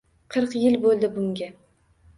Qirq yil bo’ldi bunga.